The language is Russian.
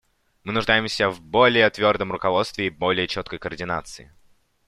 Мы нуждаемся в более твердом руководстве и более четкой координации.